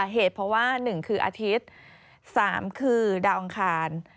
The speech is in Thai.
เหตุเพราะว่า๑คืออาทิตย์๓คือดาวอังคาร